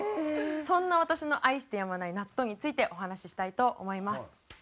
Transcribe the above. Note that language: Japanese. そんな私の愛してやまない納豆についてお話ししたいと思います。